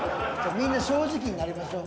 みんな正直になりましょう。